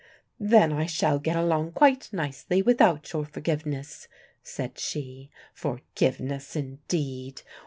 "Then I shall get along quite nicely without your forgiveness," said she. "Forgiveness, indeed!